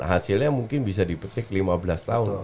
hasilnya mungkin bisa dipetik lima belas tahun